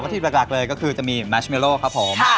วัตถุดิบหลักเลยก็คือจะมีแมชเมลโล่ครับผม